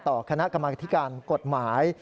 ต่อคณะกรรมการกฏหมาย